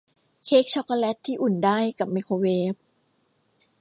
เค้กชอคโกแล็ตที่อุ่นได้กับไมโครเวฟ